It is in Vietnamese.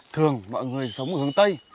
thường mọi người sống ở hướng tây